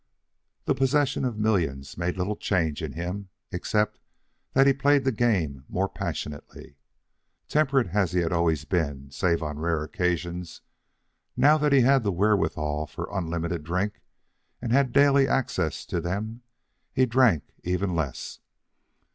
The possession of millions made little change in him, except that he played the game more passionately. Temperate as he had always been, save on rare occasions, now that he had the wherewithal for unlimited drinks and had daily access to them, he drank even less.